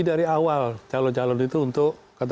dari awal calon calon itu untuk